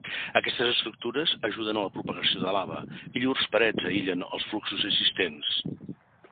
Aquestes estructures ajuden a la propagació de lava, i llurs parets aïllen els fluxos existents.